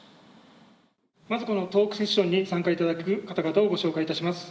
まずこのトークセッションに参加いただく方々をご紹介いたします。